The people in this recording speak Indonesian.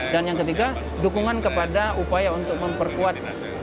dan yang ketiga dukungan kepada upaya untuk memperkuat